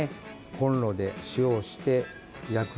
コンロで塩をして焼く。